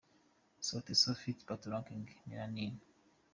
Sauti Sol Feat Patoranking – Melaning.